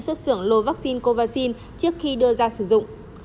xuất xưởng lô vaccine covaxin trước khi đưa ra sử dụng